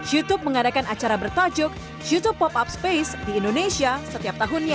youtube mengadakan acara bertajuk youtube pop up space di indonesia setiap tahunnya